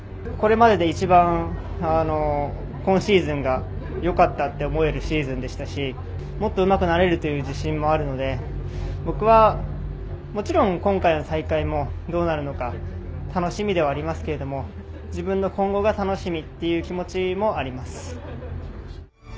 これまでで一番今シーズンがよかったと思えるシーズンでしたしもっとうまくなれるという自信もあるので、僕はもちろん、今回の大会もどうなるのか楽しみではありますが自分の今後が楽しみという気持ちもあります。